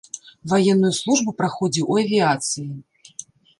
Ваенную службу праходзіў у авіяцыі.